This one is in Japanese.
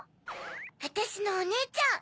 あたしのおねえちゃん。